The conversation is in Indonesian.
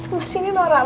hah ini ada cerita